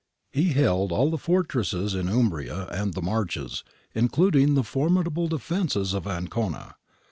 He held all the fortresses in Umbria and the Marches, including the formidable defences of Ancona.